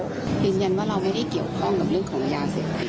ปริญญันว่าเราไม่ได้เกี่ยวข้องกับเรื่องของนายก้าวเสร็จ